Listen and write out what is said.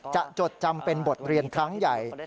จดจำเป็นบทเรียนครั้งใหญ่